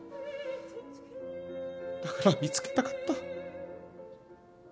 だから見つけたかった。